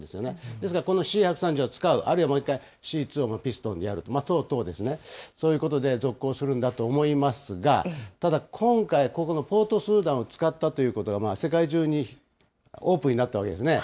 ですからこのＣ１３０を使う、あるいはもう一回、Ｃ２をピストンで使う、等々、そういうことで続行するんだと思いますが、ただ今回、ここのポートスーダンを使ったということが、世界中にオープンになったわけですね。